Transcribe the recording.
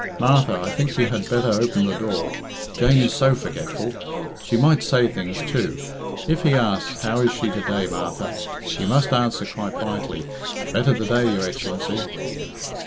Martha, I think you had better open the door. Jane is so forgetful. She might say things, too. If he asks, 'How is she to day, Martha'' you must answer quite brightly, 'Better to day, your Excellency.'"